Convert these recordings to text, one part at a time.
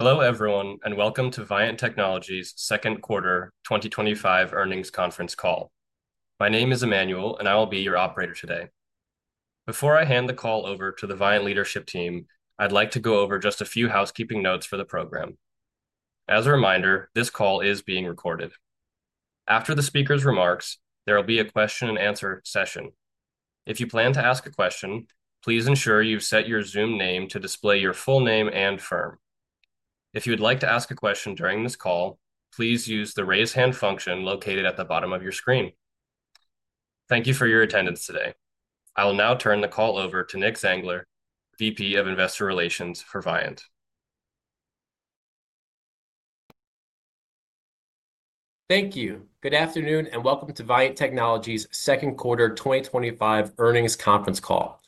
Hello everyone, and welcome to Viant Technology's Second Quarter 2025 Earnings Conference Call. My name is Emmanuel, and I will be your operator today. Before I hand the call over to the Viant leadership team, I'd like to go over just a few housekeeping notes for the program. As a reminder, this call is being recorded. After the speaker's remarks, there will be a question and answer session. If you plan to ask a question, please ensure you've set your Zoom name to display your full name and firm. If you would like to ask a question during this call, please use the raise hand function located at the bottom of your screen. Thank you for your attendance today. I will now turn the call over to Nick Zangler, VP of Investor Relations for Viant Technology. Thank you. Good afternoon and welcome to Viant Technology's Second Quarter 2025 Earnings Conference Call.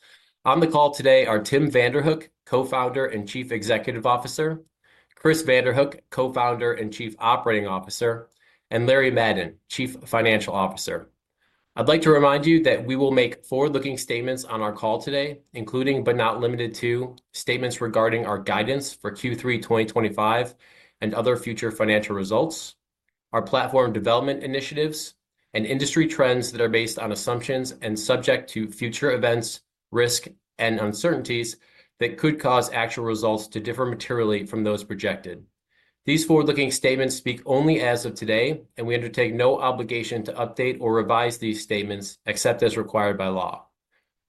On the call today are Tim Vanderhook, Co-Founder and Chief Executive Officer, Chris Vanderhook, Co-Founder and Chief Operating Officer, and Larry Madden, Chief Financial Officer. I'd like to remind you that we will make forward-looking statements on our call today, including, but not limited to, statements regarding our guidance for Q3 2025 and other future financial results, our platform development initiatives, and industry trends that are based on assumptions and subject to future events, risks, and uncertainties that could cause actual results to differ materially from those projected. These forward-looking statements speak only as of today, and we undertake no obligation to update or revise these statements except as required by law.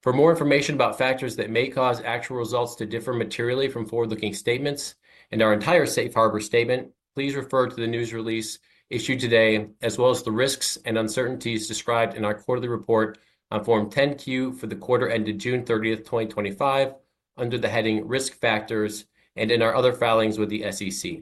For more information about factors that may cause actual results to differ materially from forward-looking statements and our entire Safe Harbor statement, please refer to the news release issued today, as well as the risks and uncertainties described in our quarterly report on Form 10-Q for the quarter ended June 30, 2025, under the heading Risk Factors and in our other filings with the SEC.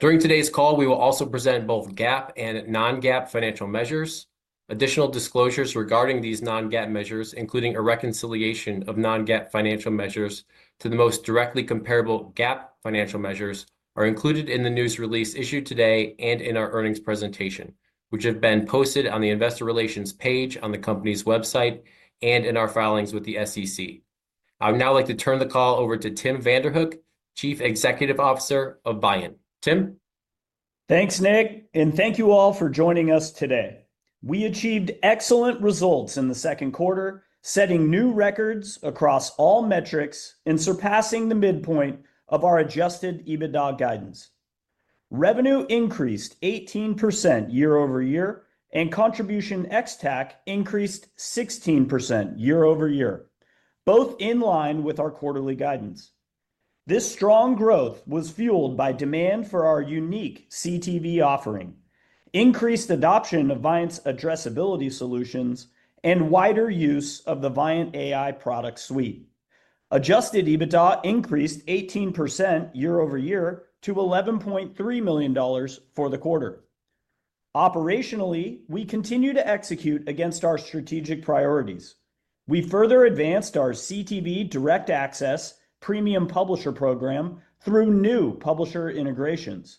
During today's call, we will also present both GAAP and non-GAAP financial measures. Additional disclosures regarding these non-GAAP measures, including a reconciliation of non-GAAP financial measures to the most directly comparable GAAP financial measures, are included in the news release issued today and in our earnings presentation, which have been posted on the Investor Relations page on the company's website and in our filings with the SEC. I would now like to turn the call over to Tim Vanderhook, Chief Executive Officer of Viant. Tim? Thanks, Nick, and thank you all for joining us today. We achieved excellent results in the second quarter, setting new records across all metrics and surpassing the midpoint of our adjusted EBITDA guidance. Revenue increased 18% year-over-year, and contribution ex-tac increased 16% year-over-year, both in line with our quarterly guidance. This strong growth was fueled by demand for our unique CTV offering, increased adoption of Viant's addressability solutions, and wider use of the ViantAI product suite. Adjusted EBITDA increased 18% year-over-year to $11.3 million for the quarter. Operationally, we continue to execute against our strategic priorities. We further advanced our CTV Direct Access Premium Publisher program through new publisher integrations.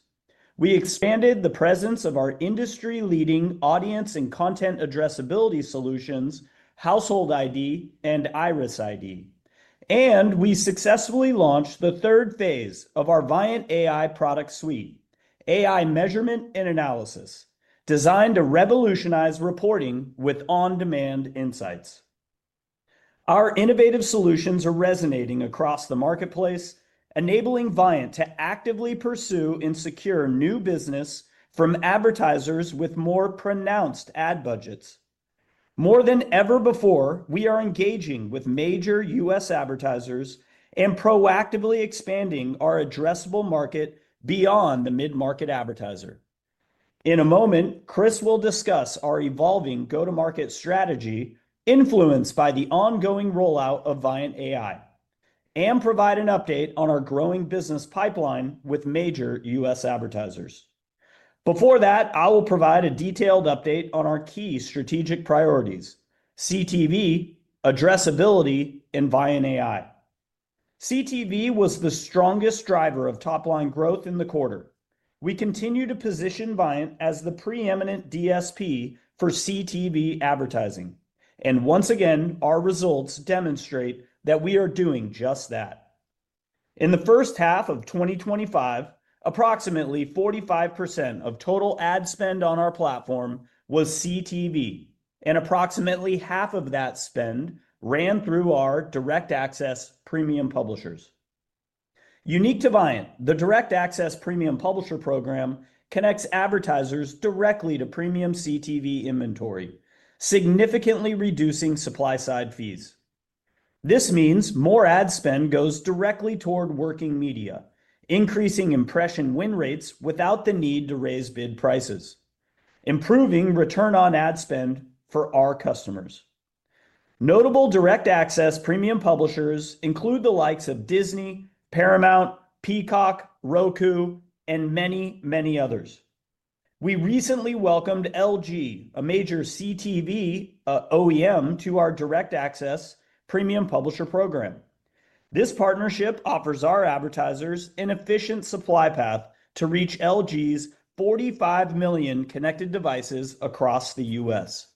We expanded the presence of our industry-leading audience and content addressability solutions, Household ID, and IRIS_ID. We successfully launched the third phase of our ViantAI product suite, AI Measurement and Analysis, designed to revolutionize reporting with on-demand insights. Our innovative solutions are resonating across the marketplace, enabling Viant to actively pursue and secure new business from advertisers with more pronounced ad budgets. More than ever before, we are engaging with major U.S. advertisers and proactively expanding our addressable market beyond the mid-market advertiser. In a moment, Chris will discuss our evolving go-to-market strategy, influenced by the ongoing rollout of ViantAI, and provide an update on our growing business pipeline with major U.S. advertisers. Before that, I will provide a detailed update on our key strategic priorities: CTV, Addressability, and ViantAI. CTV was the strongest driver of top-line growth in the quarter. We continue to position Viant as the preeminent DSP for CTV advertising, and once again, our results demonstrate that we are doing just that. In the first half of 2025, approximately 45% of total ad spend on our platform was CTV, and approximately half of that spend ran through our Direct Access Premium Publishers. Unique to Viant, the Direct Access Premium Publisher program connects advertisers directly to premium CTV inventory, significantly reducing supply-side fees. This means more ad spend goes directly toward working media, increasing impression win rates without the need to raise bid prices, improving return on ad spend for our customers. Notable Direct Access Premium Publishers include the likes of Disney, Paramount, Peacock, Roku, and many, many others. We recently welcomed LG, a major CTV OEM, to our Direct Access Premium Publisher program. This partnership offers our advertisers an efficient supply path to reach LG's 45 million connected devices across the U.S.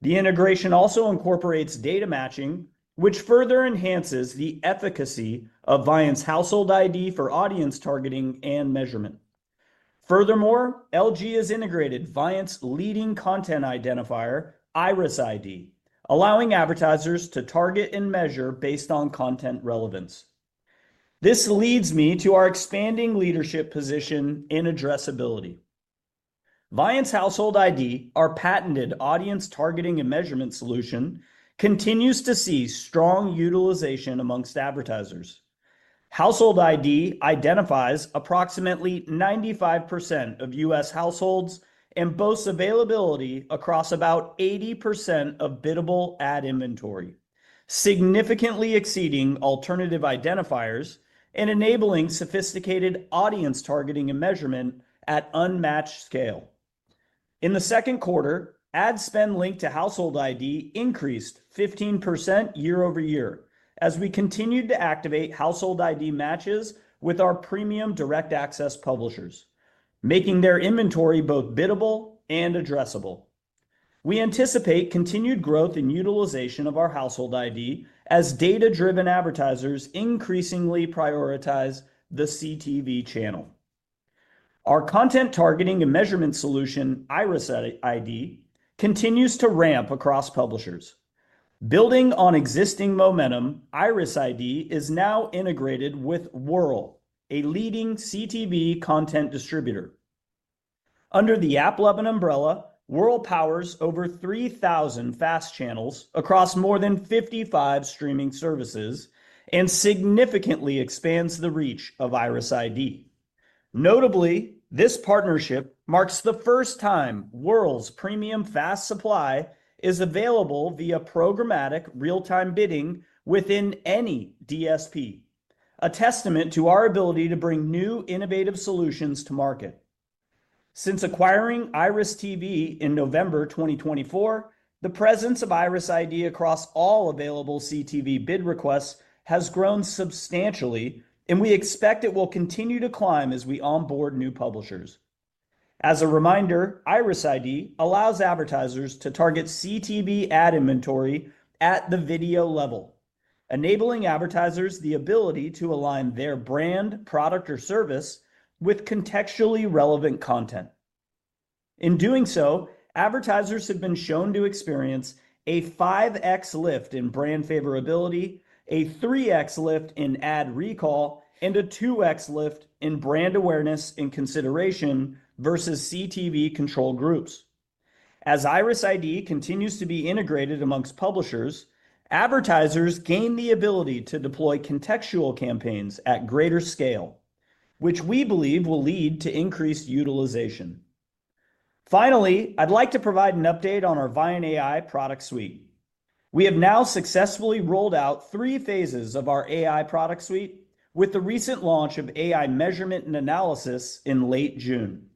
The integration also incorporates data matching, which further enhances the efficacy of Viant's Household ID for audience targeting and measurement. Furthermore, LG has integrated Viant's leading content identifier, IRIS_ID, allowing advertisers to target and measure based on content relevance. This leads me to our expanding leadership position in addressability. Viant's Household ID, our patented audience targeting and measurement solution, continues to see strong utilization amongst advertisers. Household ID identifies approximately 95% of U.S. households and boasts availability across about 80% of biddable ad inventory, significantly exceeding alternative identifiers and enabling sophisticated audience targeting and measurement at unmatched scale. In the second quarter, ad spend linked to Household ID increased 15% year-over-year as we continued to activate Household ID matches with our premium Direct Access publishers, making their inventory both biddable and addressable. We anticipate continued growth in utilization of our Household ID as data-driven advertisers increasingly prioritize the CTV channel. Our content targeting and measurement solution, IRIS_ID, continues to ramp across publishers. Building on existing momentum, IRIS_ID is now integrated with Wurl, a leading CTV content distributor. Under the AppLovin umbrella, Wurl powers over 3,000 FAST channels across more than 55 streaming services and significantly expands the reach of IRIS_ID. Notably, this partnership marks the first time Wurl's premium FAST supply is available via programmatic real-time bidding within any DSP, a testament to our ability to bring new innovative solutions to market. Since acquiring IRIS.TV in November 2024, the presence of IRIS_ID across all available CTV bid requests has grown substantially, and we expect it will continue to climb as we onboard new publishers. As a reminder, IRIS_ID allows advertisers to target CTV ad inventory at the video level, enabling advertisers the ability to align their brand, product, or service with contextually relevant content. In doing so, advertisers have been shown to experience a 5X lift in brand favorability, a 3X lift in ad recall, and a 2X lift in brand awareness and consideration versus CTV control groups. As IRIS_ID continues to be integrated amongst publishers, advertisers gain the ability to deploy contextual campaigns at greater scale, which we believe will lead to increased utilization. Finally, I'd like to provide an update on our ViantAI product suite. We have now successfully rolled out three phases of our AI product suite with the recent launch of AI Measurement and Analysis in late June.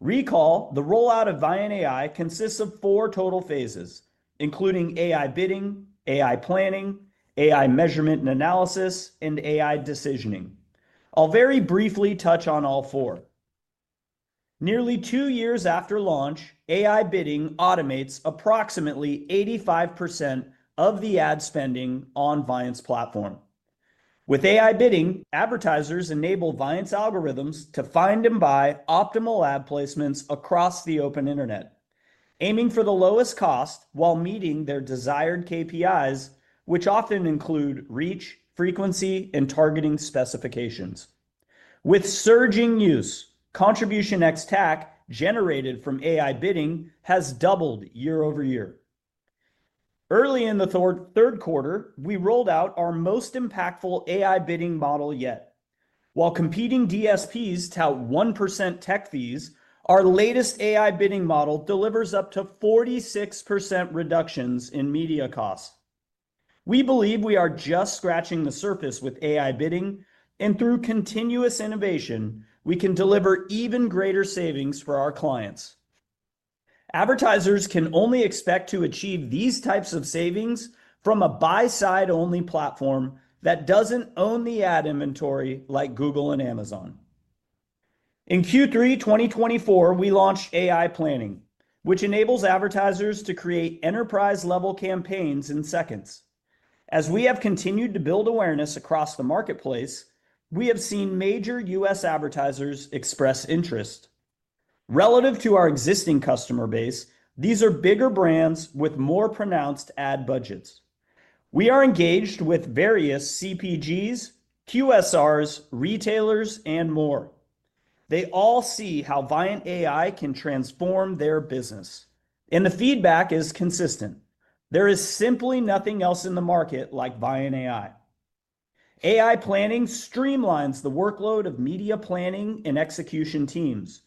Recall, the rollout of ViantAI consists of four total phases, including AI Bidding, AI Planning, AI Measurement and Analysis, and AI Decisioning. I'll very briefly touch on all four. Nearly two years after launch, AI Bidding automates approximately 85% of the ad spending on Viant's platform. With AI Bidding, advertisers enable Viant's algorithms to find and buy optimal ad placements across the open internet, aiming for the lowest cost while meeting their desired KPIs, which often include reach, frequency, and targeting specifications. With surging use, contribution ex-tac generated from AI Bidding has doubled year-over-year. Early in the third quarter, we rolled out our most impactful AI Bidding model yet. While competing DSPs tout 1% tech fees, our latest AI Bidding model delivers up to 46% reductions in media costs. We believe we are just scratching the surface with AI Bidding, and through continuous innovation, we can deliver even greater savings for our clients. Advertisers can only expect to achieve these types of savings from a buy-side-only DSP model that doesn't own the ad inventory like Google and Amazon. In Q3 2024, we launched AI Planning, which enables advertisers to create enterprise-level campaigns in seconds. As we have continued to build awareness across the marketplace, we have seen major US advertisers express interest. Relative to our existing customer base, these are bigger brands with more pronounced ad budgets. We are engaged with various CPGs, QSRs, retailers, and more. They all see how ViantAI can transform their business, and the feedback is consistent. There is simply nothing else in the market like ViantAI. AI Planning streamlines the workload of media planning and execution teams.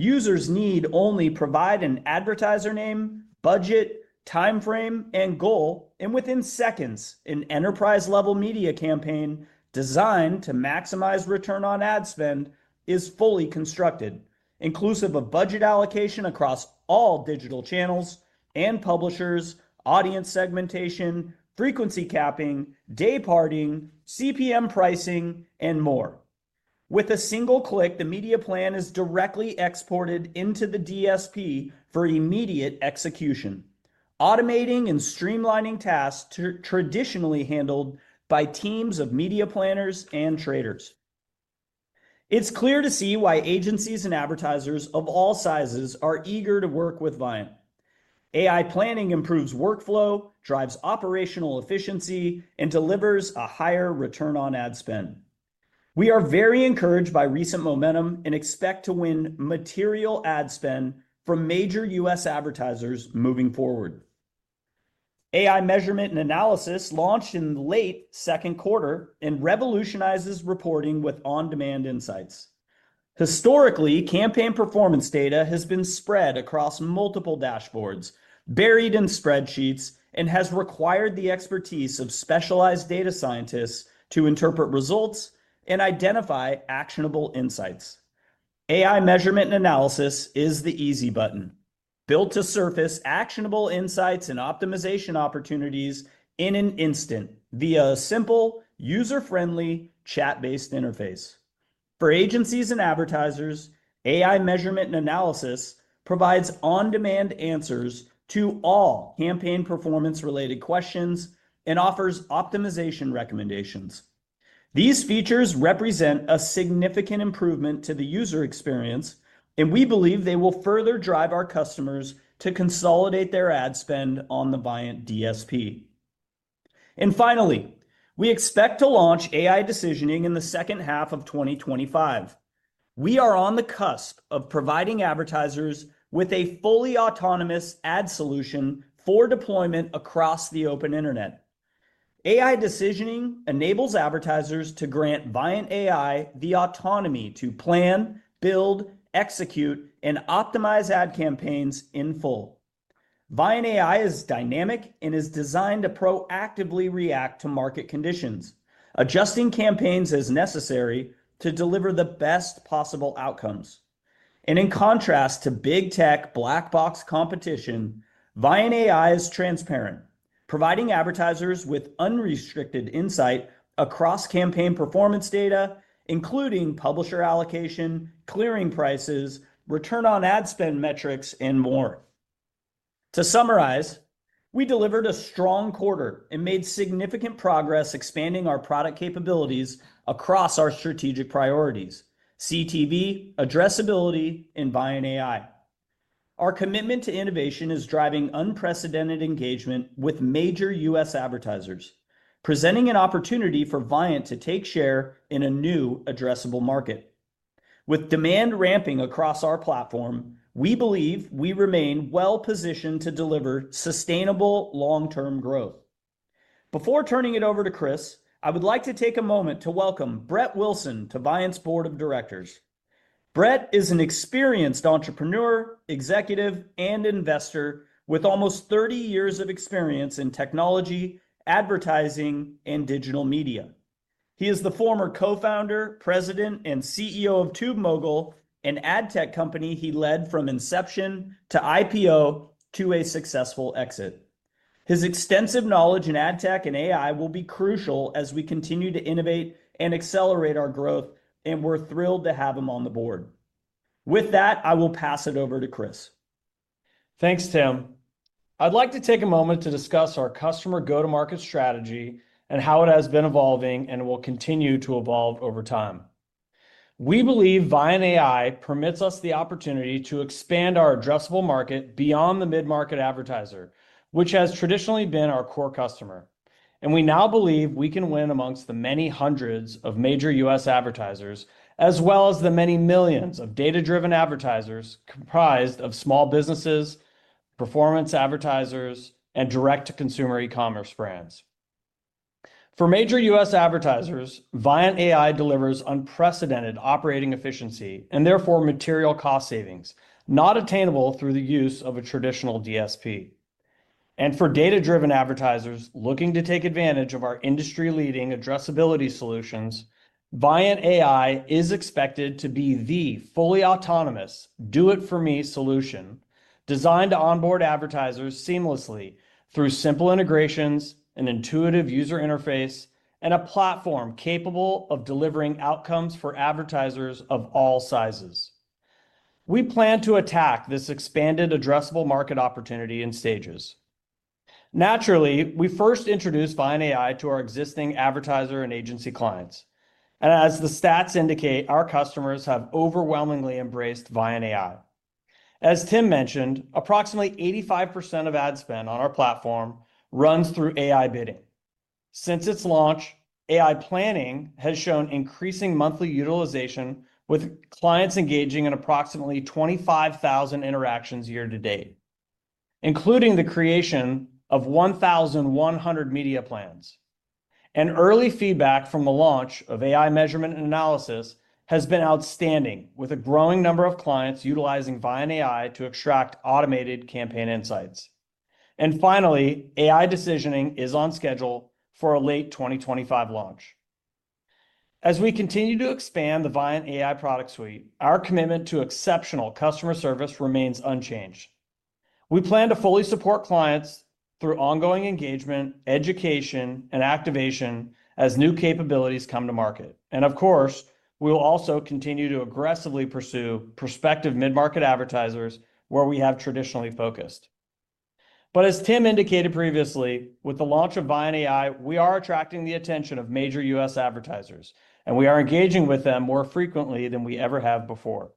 Users need only provide an advertiser name, budget, timeframe, and goal, and within seconds, an enterprise-level media campaign designed to maximize return on ad spend is fully constructed, inclusive of budget allocation across all digital channels and publishers, audience segmentation, frequency capping, day parting, CPM pricing, and more. With a single click, the media plan is directly exported into the DSP for immediate execution, automating and streamlining tasks traditionally handled by teams of media planners and traders. It is clear to see why agencies and advertisers of all sizes are eager to work with Viant. AI Planning improves workflow, drives operational efficiency, and delivers a higher return on ad spend. We are very encouraged by recent momentum and expect to win material ad spend from major U.S. advertisers moving forward. AI Measurement and Analysis launched in the late second quarter and revolutionizes reporting with on-demand insights. Historically, campaign performance data has been spread across multiple dashboards, buried in spreadsheets, and has required the expertise of specialized data scientists to interpret results and identify actionable insights. AI Measurement and Analysis is the easy button, built to surface actionable insights and optimization opportunities in an instant via a simple, user-friendly chat-based interface. For agencies and advertisers, AI Measurement and Analysis provides on-demand answers to all campaign performance-related questions and offers optimization recommendations. These features represent a significant improvement to the user experience, and we believe they will further drive our customers to consolidate their ad spend on the Viant DSP. Finally, we expect to launch AI Decisioning in the second half of 2025. We are on the cusp of providing advertisers with a fully autonomous ad solution for deployment across the open internet. AI Decisioning enables advertisers to grant ViantAI the autonomy to plan, build, execute, and optimize ad campaigns in full. ViantAI is dynamic and is designed to proactively react to market conditions, adjusting campaigns as necessary to deliver the best possible outcomes. In contrast to big tech black-box competition, ViantAI is transparent, providing advertisers with unrestricted insight across campaign performance data, including publisher allocation, clearing prices, return on ad spend metrics, and more. To summarize, we delivered a strong quarter and made significant progress expanding our product capabilities across our strategic priorities: CTV, addressability, and ViantAI. Our commitment to innovation is driving unprecedented engagement with major U.S. advertisers, presenting an opportunity for Viant Technology to take share in a new addressable market. With demand ramping across our platform, we believe we remain well-positioned to deliver sustainable long-term growth. Before turning it over to Chris, I would like to take a moment to welcome Brett Wilson to Viant's Board of Directors. Brett is an experienced entrepreneur, executive, and investor with almost 30 years of experience in technology, advertising, and digital media. He is the former Co-Founder, President, and CEO of TubeMogul, an ad tech company he led from inception to IPO to a successful exit. His extensive knowledge in ad tech and AI will be crucial as we continue to innovate and accelerate our growth, and we're thrilled to have him on the board. With that, I will pass it over to Chris. Thanks, Tim. I'd like to take a moment to discuss our customer go-to-market strategy and how it has been evolving and will continue to evolve over time. We believe ViantAI permits us the opportunity to expand our addressable market beyond the mid-market advertiser, which has traditionally been our core customer. We now believe we can win amongst the many hundreds of major U.S. advertisers, as well as the many millions of data-driven advertisers comprised of small businesses, performance advertisers, and direct-to-consumer e-commerce brands. For major U.S. advertisers, ViantAI delivers unprecedented operating efficiency and therefore material cost savings, not attainable through the use of a traditional DSP. For data-driven advertisers looking to take advantage of our industry-leading addressability solutions, ViantAI is expected to be the fully autonomous do-it-for-me solution designed to onboard advertisers seamlessly through simple integrations, an intuitive user interface, and a platform capable of delivering outcomes for advertisers of all sizes. We plan to attack this expanded addressable market opportunity in stages. Naturally, we first introduced ViantAI to our existing advertiser and agency clients. As the stats indicate, our customers have overwhelmingly embraced ViantAI. As Tim mentioned, approximately 85% of ad spend on our platform runs through AI Bidding. Since its launch, AI Planning has shown increasing monthly utilization, with clients engaging in approximately 25,000 interactions year to date, including the creation of 1,100 media plans. Early feedback from the launch of AI Measurement and Analysis has been outstanding, with a growing number of clients utilizing ViantAI to extract automated campaign insights. AI Decisioning is on schedule for a late 2025 launch. As we continue to expand the ViantAI product suite, our commitment to exceptional customer service remains unchanged. We plan to fully support clients through ongoing engagement, education, and activation as new capabilities come to market. We will also continue to aggressively pursue prospective mid-market advertisers where we have traditionally focused. As Tim indicated previously, with the launch of ViantAI, we are attracting the attention of major U.S. advertisers, and we are engaging with them more frequently than we ever have before.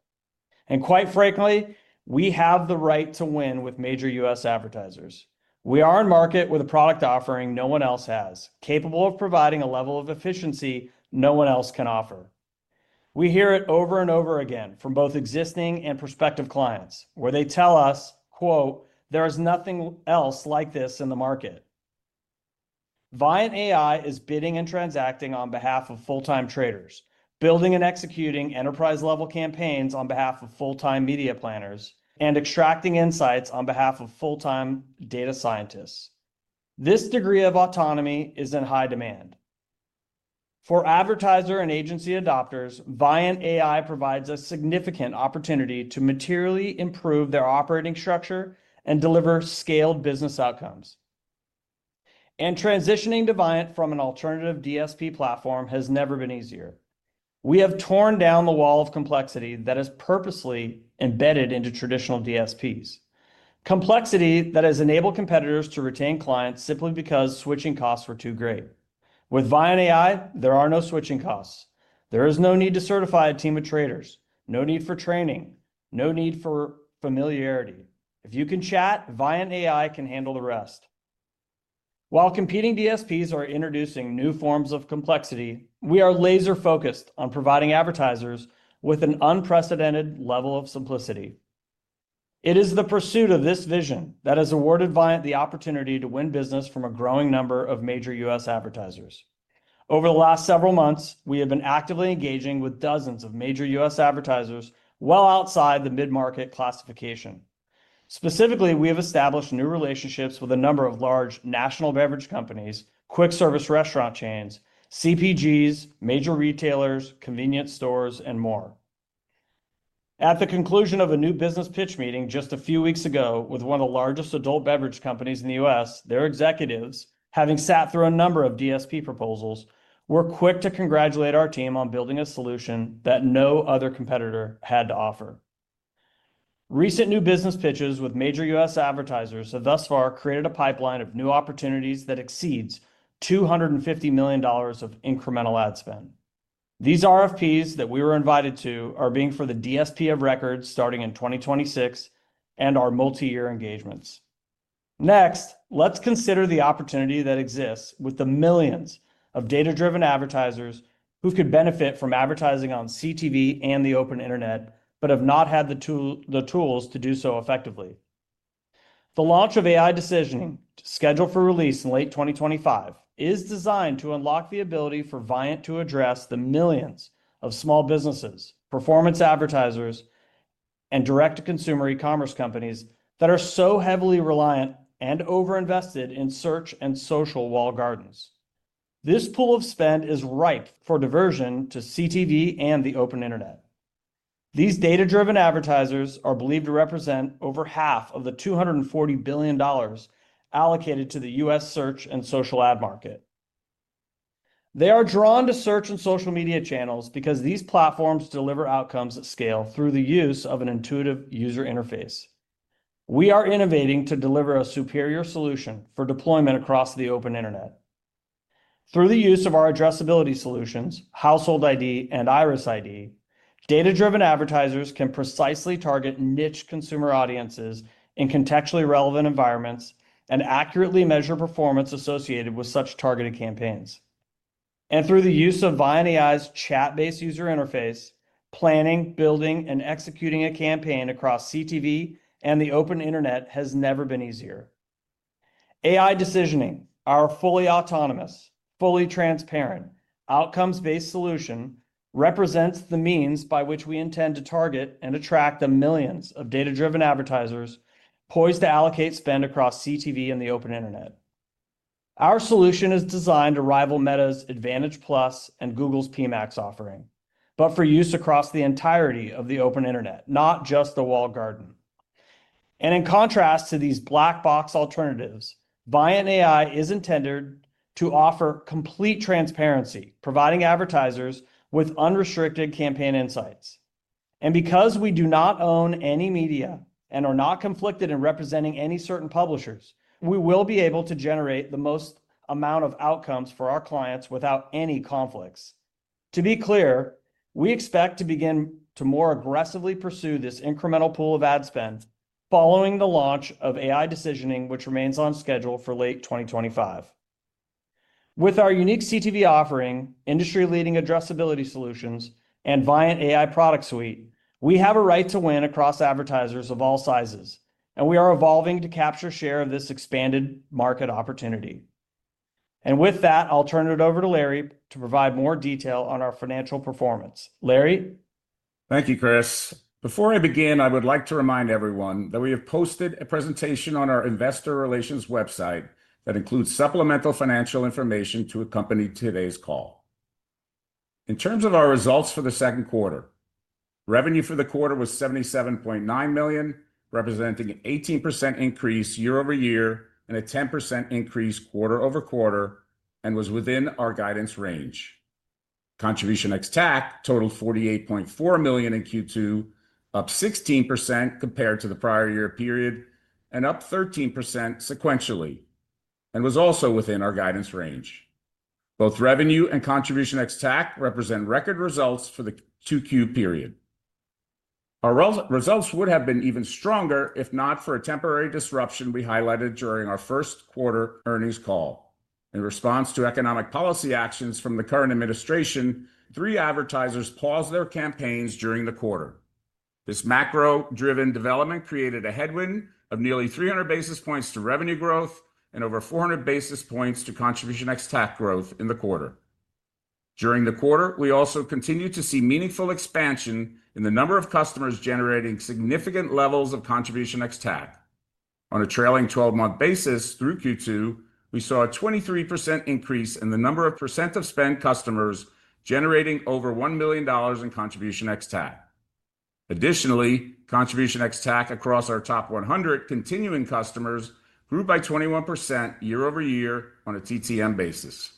Quite frankly, we have the right to win with major U.S. advertisers. We are in market with a product offering no one else has, capable of providing a level of efficiency no one else can offer. We hear it over and over again from both existing and prospective clients, where they tell us, quote, "There is nothing else like this in the market." ViantAI is bidding and transacting on behalf of full-time traders, building and executing enterprise-level campaigns on behalf of full-time media planners, and extracting insights on behalf of full-time data scientists. This degree of autonomy is in high demand. For advertiser and agency adopters, ViantAI provides a significant opportunity to materially improve their operating structure and deliver scaled business outcomes. Transitioning to Viant from an alternative DSP platform has never been easier. We have torn down the wall of complexity that is purposely embedded into traditional DSPs, complexity that has enabled competitors to retain clients simply because switching costs were too great. With ViantAI, there are no switching costs. There is no need to certify a team of traders, no need for training, no need for familiarity. If you can chat, ViantAI can handle the rest. While competing DSPs are introducing new forms of complexity, we are laser-focused on providing advertisers with an unprecedented level of simplicity. It is the pursuit of this vision that has awarded Viant the opportunity to win business from a growing number of major U.S. advertisers. Over the last several months, we have been actively engaging with dozens of major U.S. advertisers well outside the mid-market classification. Specifically, we have established new relationships with a number of large national beverage companies, quick-service restaurant chains, CPGs, major retailers, convenience stores, and more. At the conclusion of a new business pitch meeting just a few weeks ago with one of the largest adult beverage companies in the U.S., their executives, having sat through a number of DSP proposals, were quick to congratulate our team on building a solution that no other competitor had to offer. Recent new business pitches with major U.S. advertisers have thus far created a pipeline of new opportunities that exceeds $250 million of incremental ad spend. These RFPs that we were invited to are being for the DSP of record starting in 2026 and our multi-year engagements. Next, let's consider the opportunity that exists with the millions of data-driven advertisers who could benefit from advertising on CTV and the open internet, but have not had the tools to do so effectively. The launch of AI Decisioning, scheduled for release in late 2025, is designed to unlock the ability for Viant to address the millions of small businesses, performance advertisers, and direct-to-consumer e-commerce companies that are so heavily reliant and over-invested in search and social walled gardens. This pool of spend is ripe for diversion to CTV and the open internet. These data-driven advertisers are believed to represent over half of the $240 billion allocated to the U.S. search and social ad market. They are drawn to search and social media channels because these platforms deliver outcomes at scale through the use of an intuitive user interface. We are innovating to deliver a superior solution for deployment across the open internet. Through the use of our addressability solutions, Household ID and IRIS_ID, data-driven advertisers can precisely target niche consumer audiences in contextually relevant environments and accurately measure performance associated with such targeted campaigns. Through the use of ViantAI's chat-based user interface, planning, building, and executing a campaign across CTV and the open internet has never been easier. AI Decisioning, our fully autonomous, fully transparent, outcomes-based solution, represents the means by which we intend to target and attract the millions of data-driven advertisers poised to allocate spend across CTV and the open internet. Our solution is designed to rival Meta's Advantage+ and Google's Pmax offering, but for use across the entirety of the open internet, not just the walled garden. In contrast to these black-box alternatives, ViantAI is intended to offer complete transparency, providing advertisers with unrestricted campaign insights. Because we do not own any media and are not conflicted in representing any certain publishers, we will be able to generate the most amount of outcomes for our clients without any conflicts. To be clear, we expect to begin to more aggressively pursue this incremental pool of ad spend following the launch of AI Decisioning, which remains on schedule for late 2025. With our unique CTV offering, industry-leading addressability solutions, and ViantAI product suite, we have a right to win across advertisers of all sizes, and we are evolving to capture share of this expanded market opportunity. I'll turn it over to Larry to provide more detail on our financial performance. Larry? Thank you, Chris. Before I begin, I would like to remind everyone that we have posted a presentation on our Investor Relations website that includes supplemental financial information to accompany today's call. In terms of our results for the second quarter, revenue for the quarter was $77.9 million, representing an 18% increase year-over-year and a 10% increase quarter-over-quarter, and was within our guidance range. Contribution ex-TAC totaled $48.4 million in Q2, up 16% compared to the prior year period, and up 13% sequentially, and was also within our guidance range. Both revenue and contribution ex-TAC represent record results for the Q2 period. Our results would have been even stronger if not for a temporary disruption we highlighted during our first quarter earnings call. In response to economic policy actions from the current administration, three advertisers paused their campaigns during the quarter. This macro-driven development created a headwind of nearly 300 basis points to revenue growth and over 400 basis points to contribution ex-TAC growth in the quarter. During the quarter, we also continued to see meaningful expansion in the number of customers generating significant levels of contribution ex-TAC. On a trailing 12-month basis through Q2, we saw a 23% increase in the number of percent of spend customers generating over $1 million in contribution ex-TAC. Additionally, contribution ex-TAC across our top 100 continuing customers grew by 21% year-over-year on a TTM basis.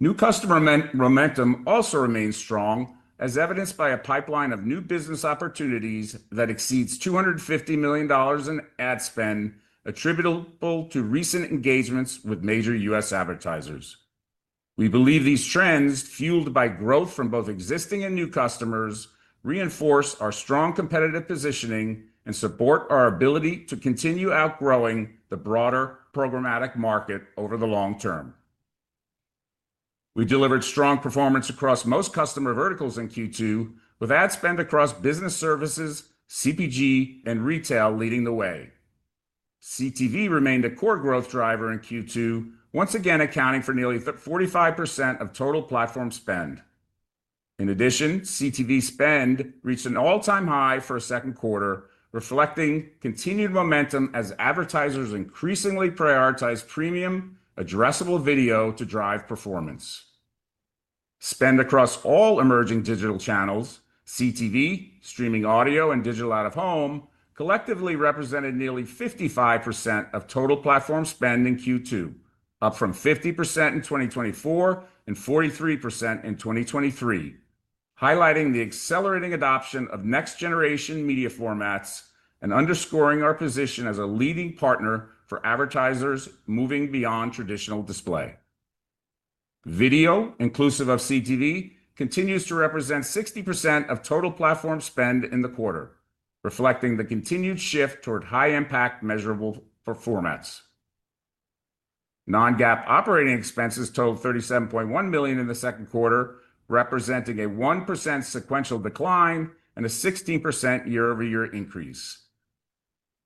New customer momentum also remains strong, as evidenced by a pipeline of new business opportunities that exceeds $250 million in ad spend attributable to recent engagements with major U.S. advertisers. We believe these trends, fueled by growth from both existing and new customers, reinforce our strong competitive positioning and support our ability to continue outgrowing the broader programmatic market over the long term. We delivered strong performance across most customer verticals in Q2, with ad spend across business services, CPG, and retail leading the way. CTV remained a core growth driver in Q2, once again accounting for nearly 45% of total platform spend. In addition, CTV spend reached an all-time high for a second quarter, reflecting continued momentum as advertisers increasingly prioritize premium addressable video to drive performance. Spend across all emerging digital channels—CTV, streaming audio, and digital out of home—collectively represented nearly 55% of total platform spend in Q2, up from 50% in 2024 and 43% in 2023, highlighting the accelerating adoption of next-generation media formats and underscoring our position as a leading partner for advertisers moving beyond traditional display. Video, inclusive of CTV, continues to represent 60% of total platform spend in the quarter, reflecting the continued shift toward high-impact, measurable formats. Non-GAAP operating expenses totaled $37.1 million in the second quarter, representing a 1% sequential decline and a 16% year-over-year increase.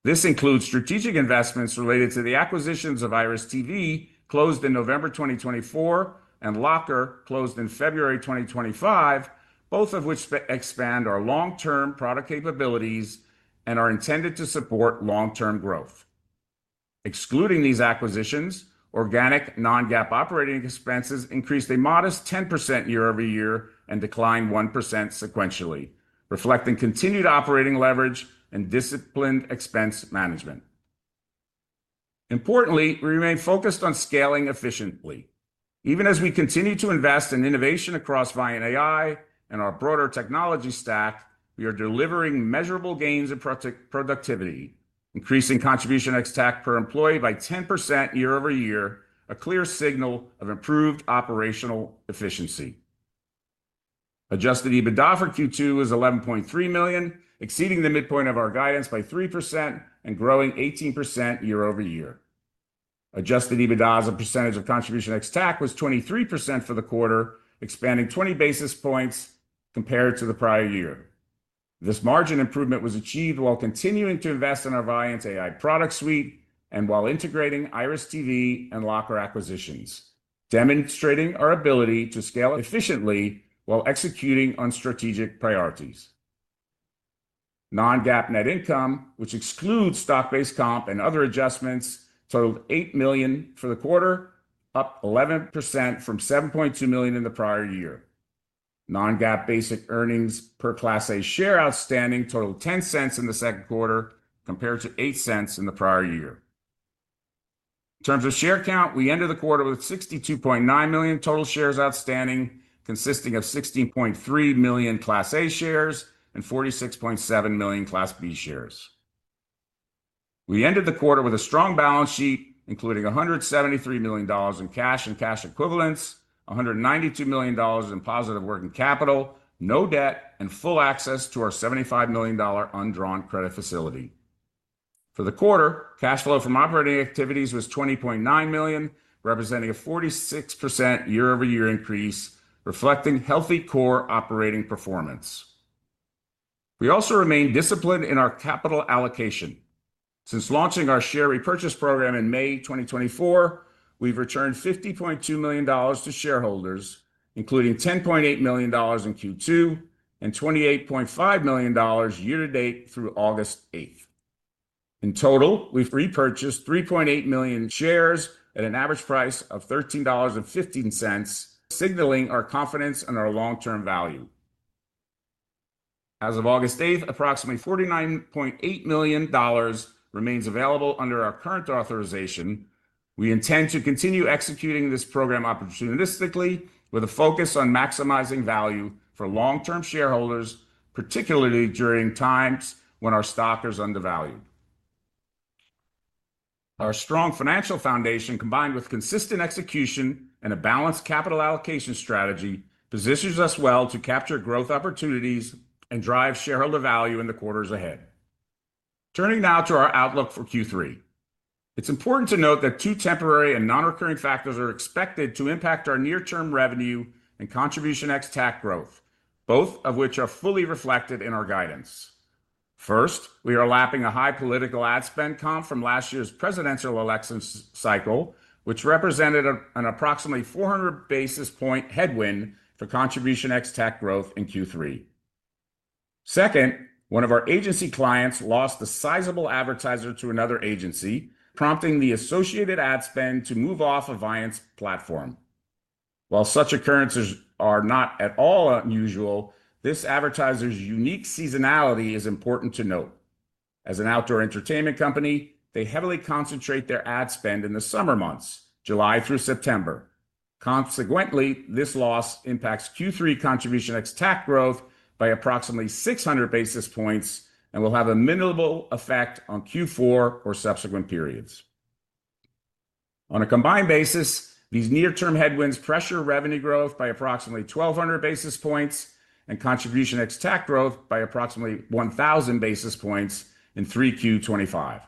This includes strategic investments related to the acquisitions of IRIS.TV, closed in November 2024, and Locker, closed in February 2025, both of which expand our long-term product capabilities and are intended to support long-term growth. Excluding these acquisitions, organic non-GAAP operating expenses increased a modest 10% year-over-year and declined 1% sequentially, reflecting continued operating leverage and disciplined expense management. Importantly, we remain focused on scaling efficiently. Even as we continue to invest in innovation across ViantAI and our broader technology stack, we are delivering measurable gains in productivity, increasing contribution ex-TAC per employee by 10% year-over-year, a clear signal of improved operational efficiency. Adjusted EBITDA for Q2 was $11.3 million, exceeding the midpoint of our guidance by 3% and growing 18% year-over-year. Adjusted EBITDA as a percentage of contribution ex-TAC was 23% for the quarter, expanding 20 basis points compared to the prior year. This margin improvement was achieved while continuing to invest in our ViantAI product suite and while integrating IRIS.TV and Locker acquisitions, demonstrating our ability to scale efficiently while executing on strategic priorities. Non-GAAP net income, which excludes stock-based comp and other adjustments, totaled $8 million for the quarter, up 11% from $7.2 million in the prior year. Non-GAAP basic earnings per Class A share outstanding totaled $0.10 in the second quarter compared to $0.08 in the prior year. In terms of share count, we ended the quarter with 62.9 million total shares outstanding, consisting of 16.3 million Class A shares and 46.7 million Class B shares. We ended the quarter with a strong balance sheet, including $173 million in cash and cash equivalents, $192 million in positive working capital, no debt, and full access to our $75 million undrawn credit facility. For the quarter, cash flow from operating activities was $20.9 million, representing a 46% year-over-year increase, reflecting healthy core operating performance. We also remain disciplined in our capital allocation. Since launching our share repurchase program in May 2024, we've returned $50.2 million to shareholders, including $10.8 million in Q2 and $28.5 million year to date through August 8. In total, we've repurchased 3.8 million shares at an average price of $13.15, signaling our confidence in our long-term value. As of August 8, approximately $49.8 million remains available under our current authorization. We intend to continue executing this program opportunistically, with a focus on maximizing value for long-term shareholders, particularly during times when our stock is undervalued. Our strong financial foundation, combined with consistent execution and a balanced capital allocation strategy, positions us well to capture growth opportunities and drive shareholder value in the quarters ahead. Turning now to our outlook for Q3, it's important to note that two temporary and non-recurring factors are expected to impact our near-term revenue and contribution ex-TAC growth, both of which are fully reflected in our guidance. First, we are lapping a high political ad spend comp from last year's presidential election cycle, which represented an approximately 400 basis point headwind for contribution ex-TAC growth in Q3. Second, one of our agency clients lost a sizable advertiser to another agency, prompting the associated ad spend to move off of Viant's platform. While such occurrences are not at all unusual, this advertiser's unique seasonality is important to note. As an outdoor entertainment company, they heavily concentrate their ad spend in the summer months, July through September. Consequently, this loss impacts Q3 contribution ex-TAC growth by approximately 600 basis points and will have a minimal effect on Q4 or subsequent periods. On a combined basis, these near-term headwinds pressure revenue growth by approximately 1,200 basis points and contribution ex-tac growth by approximately 1,000 basis points in Q3.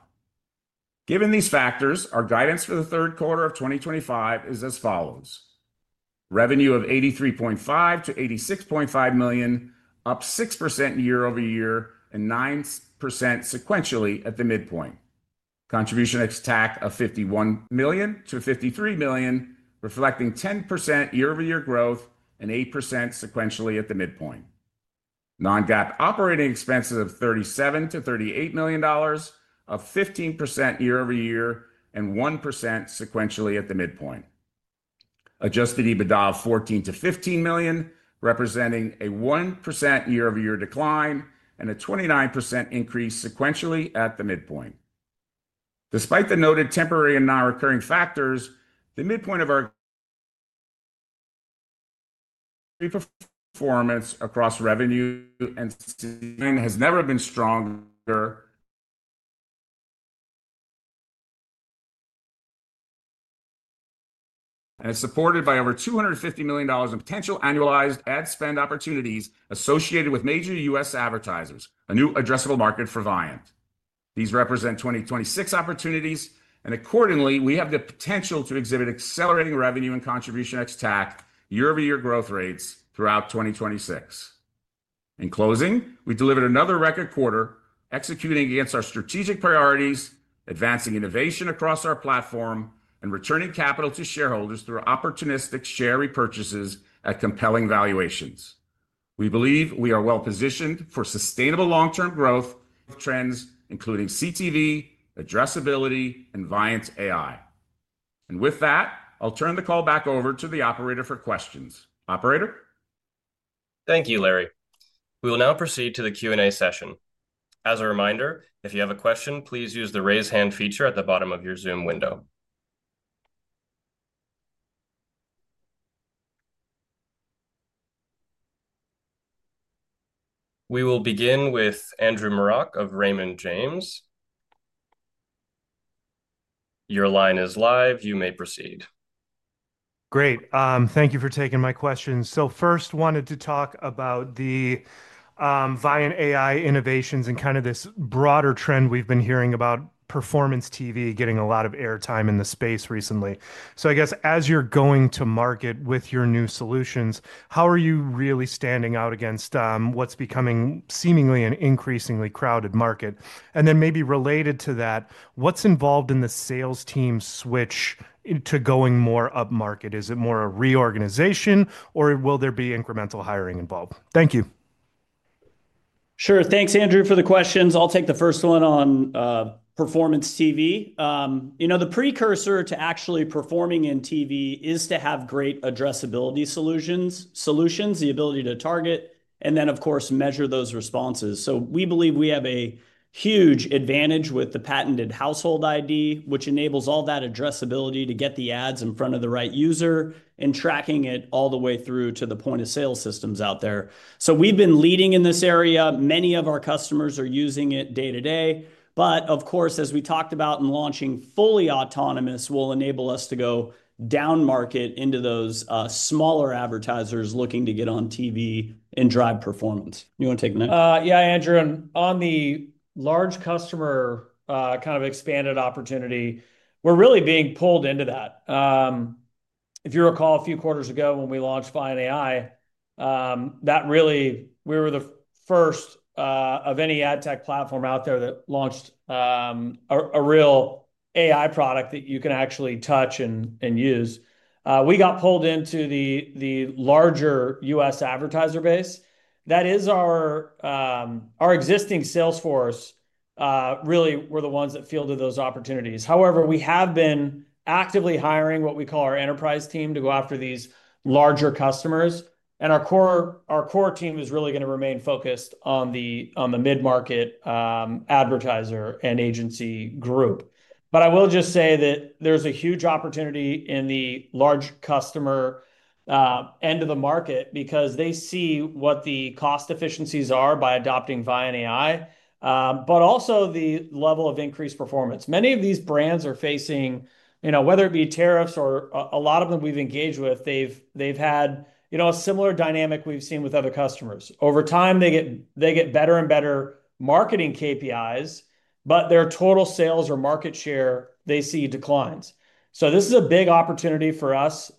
Given these factors, our guidance for the third quarter of 2025 is as follows: revenue of $83.5 million-$86.5 million, up 6% year-over-year and 9% sequentially at the midpoint, contribution ex-TAC of $51 million-$53 million, reflecting 10% year-over-year growth and 8% sequentially at the midpoint, non-GAAP operating expenses of $37 million-$38 million, up 15% year-over-year and 1% sequentially at the midpoint, adjusted EBITDA of $14 million-$15 million, representing a 1% year-over-year decline and a 29% increase sequentially at the midpoint. Despite the noted temporary and non-recurring factors, the midpoint of our performance across revenue and spending has never been stronger and is supported by over $250 million in potential annualized ad spend opportunities associated with major U.S. advertisers, a new addressable market for Viant. These represent 2026 opportunities, and accordingly, we have the potential to exhibit accelerating revenue and contribution ex-TAC year-over-year growth rates throughout 2026. In closing, we delivered another record quarter, executing against our strategic priorities, advancing innovation across our platform, and returning capital to shareholders through opportunistic share repurchases at compelling valuations. We believe we are well-positioned for sustainable long-term growth of trends including CTV, addressability, and ViantAI. With that, I'll turn the call back over to the operator for questions. Operator? Thank you, Larry. We will now proceed to the Q&A session. As a reminder, if you have a question, please use the raise hand feature at the bottom of your Zoom window. We will begin with Andrew Marok of Raymond James. Your line is live. You may proceed. Great. Thank you for taking my questions. First, I wanted to talk about the ViantAI innovations and kind of this broader trend we've been hearing about, performance TV getting a lot of airtime in the space recently. I guess as you're going to market with your new solutions, how are you really standing out against what's becoming seemingly an increasingly crowded market? Maybe related to that, what's involved in the sales team's switch to going more up market? Is it more a reorganization, or will there be incremental hiring involved? Thank you. Sure. Thanks, Andrew, for the questions. I'll take the first one on performance TV. The precursor to actually performing in TV is to have great addressability solutions, the ability to target, and then, of course, measure those responses. We believe we have a huge advantage with the patented Household ID, which enables all that addressability to get the ads in front of the right user and tracking it all the way through to the point of sale systems out there. We've been leading in this area. Many of our customers are using it day to day. As we talked about in launching, fully autonomous will enable us to go down market into those smaller advertisers looking to get on TV and drive performance. You want to take the that? Yeah, Andrew. On the large customer kind of expanded opportunity, we're really being pulled into that. If you recall a few quarters ago when we launched ViantAI, we were the first of any ad tech platform out there that launched a real AI product that you can actually touch and use. We got pulled into the larger U.S. advertiser base. That is our existing sales force. Really, we're the ones that fielded those opportunities. However, we have been actively hiring what we call our enterprise team to go after these larger customers. Our core team is really going to remain focused on the mid-market advertiser and agency group. I will just say that there's a huge opportunity in the large customer end of the market because they see what the cost efficiencies are by adopting ViantAI, but also the level of increased performance. Many of these brands are facing, whether it be tariffs or a lot of them we've engaged with, they've had a similar dynamic we've seen with other customers. Over time, they get better and better marketing KPIs, but their total sales or market share, they see declines. This is a big opportunity for us.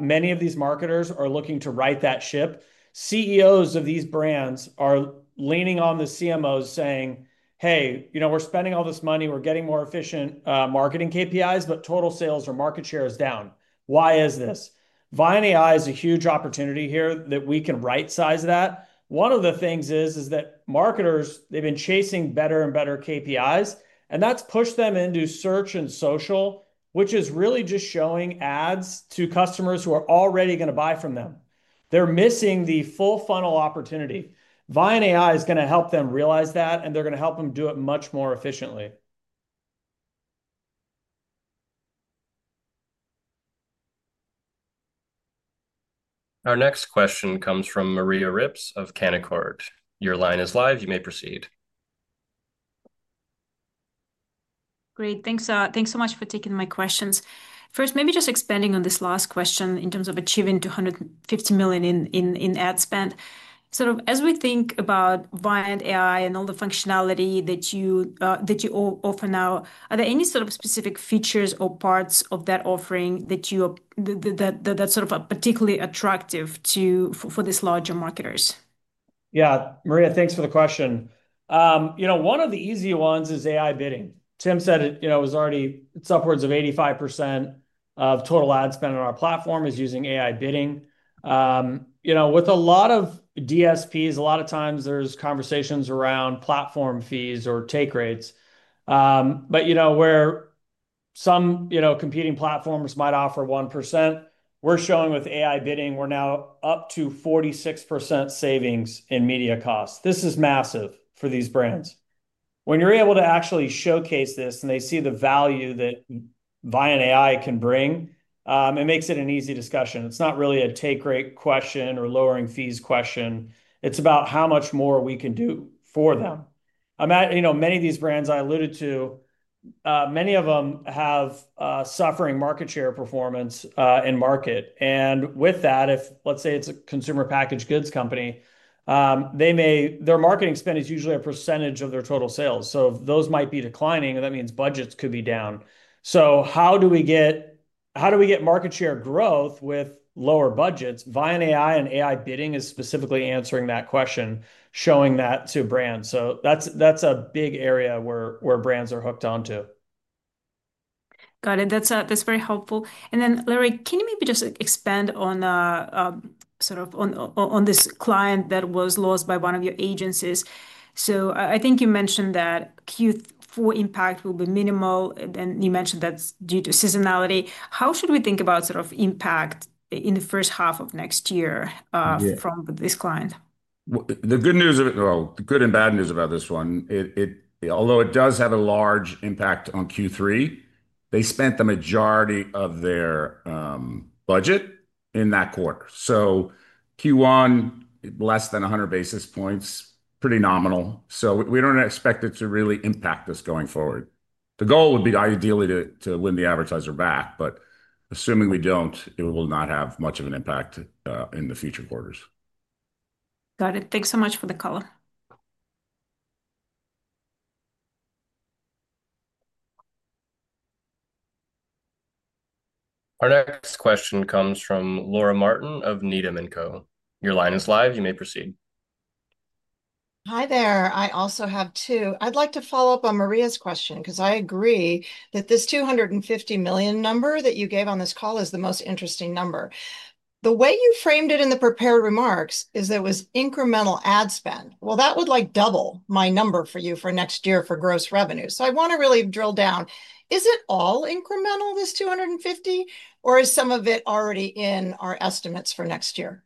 Many of these marketers are looking to right that ship. CEOs of these brands are leaning on the CMOs saying, "Hey, you know, we're spending all this money, we're getting more efficient marketing KPIs, but total sales or market share is down. Why is this?" ViantAI is a huge opportunity here that we can right-size that. One of the things is that marketers, they've been chasing better and better KPIs, and that's pushed them into search and social, which is really just showing ads to customers who are already going to buy from them. They're missing the full funnel opportunity. ViantAI is going to help them realize that, and they're going to help them do it much more efficiently. Our next question comes from Maria Ripps of Canaccord. Your line is live. You may proceed. Great. Thanks so much for taking my questions. First, maybe just expanding on this last question in terms of achieving $250 million in ad spend. As we think about ViantAI and all the functionality that you offer now, are there any specific features or parts of that offering that are particularly attractive for these larger marketers? Yeah, Maria, thanks for the question. One of the easy ones is AI Bidding. Tim said it, it was already upwards of 85% of total ad spend on our platform is using AI Bidding. With a lot of DSPs, a lot of times there's conversations around platform fees or take rates. Where some competing platforms might offer 1%, we're showing with AI Bidding, we're now up to 46% savings in media costs. This is massive for these brands. When you're able to actually showcase this and they see the value that ViantAI can bring, it makes it an easy discussion. It's not really a take rate question or lowering fees question. It's about how much more we can do for them. Many of these brands I alluded to, many of them have suffering market share performance in market. If, let's say it's a consumer packaged goods company, their marketing spend is usually a percentage of their total sales. Those might be declining, and that means budgets could be down. How do we get market share growth with lower budgets? ViantAI and AI Bidding is specifically answering that question, showing that to brands. That's a big area where brands are hooked onto. Got it. That's very helpful. Larry, can you maybe just expand on sort of on this client that was lost by one of your agencies? I think you mentioned that Q4 impact will be minimal, and you mentioned that's due to seasonality. How should we think about sort of impact in the first half of next year from this client? The good news of it, the good and bad news about this one, although it does have a large impact on Q3, they spent the majority of their budget in that quarter. Q1, less than 100 basis points, pretty nominal. We don't expect it to really impact us going forward. The goal would be ideally to win the advertiser back, but assuming we don't, it will not have much of an impact in the future quarters. Got it. Thanks so much for the color. Our next question comes from Laura Martin of Needham & Co. Your line is live. You may proceed. Hi there. I also have two. I'd like to follow up on Maria's question because I agree that this $250 million number that you gave on this call is the most interesting number. The way you framed it in the prepared remarks is that it was incremental ad spend. That would like double my number for you for next year for gross revenue. I want to really drill down. Is it all incremental, this $250 million, or is some of it already in our estimates for next year?